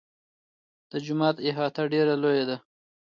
د جومات احاطه ډېره لویه ده.